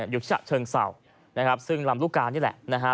อยู่ที่ฉะเชิงเศร้านะครับซึ่งลำลูกกานี่แหละนะฮะ